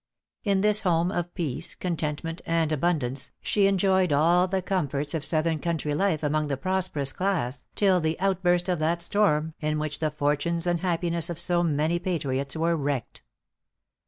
In this home of peace, contentment and abundance, she enjoyed all the comforts of southern country life among the prosperous class, till the outburst of that storm in which the fortunes and happiness of so many patriots were wrecked.